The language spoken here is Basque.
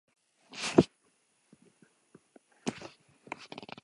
Zarauzko herrigunearen irteeran dago, Getariako bidean.